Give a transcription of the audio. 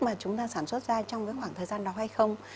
mà chúng ta sản xuất ra trong cái khoảng thời gian đó hay không